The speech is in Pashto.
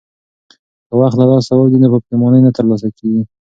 که وخت له لاسه ووځي نو په پښېمانۍ نه ترلاسه کېږي.